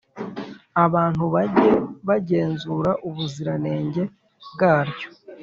abantu bage bagenzura ubuziranenge bwaryo